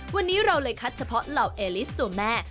วันนี้เราเลยคัดเฉพาะเหล่าเอลิสตัวแม่